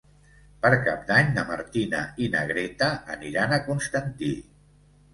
Per Cap d'Any na Martina i na Greta aniran a Constantí.